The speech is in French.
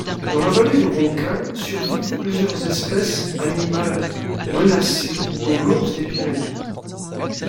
Dans la vallée de Roncal survivent plusieurs espèces animales menacées, dont l'ours des Pyrénées.